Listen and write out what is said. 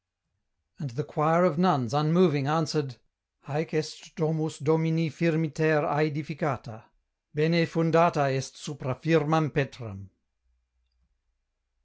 And the choir of nuns, unmoving, answered, —" Haec est domus Domini firmiter aedificata : Bene fundata est supra firmam petram."